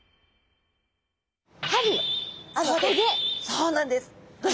そうなんです。